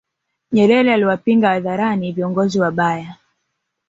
nyerere aliwapinga hadharani viongozi wabaya